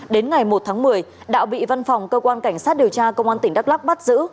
đến ngày một tháng một mươi đạo bị văn phòng cơ quan cảnh sát điều tra công an tỉnh đắk lắc bắt giữ